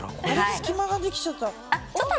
あれ、隙間ができちゃった。